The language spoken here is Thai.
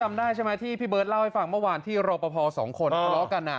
จำได้ใช่ไหมที่พี่เบิร์ตเล่าให้ฟังเมื่อวานที่รอปภสองคนทะเลาะกัน